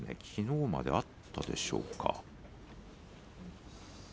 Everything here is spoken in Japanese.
きのうまであったでしょうか。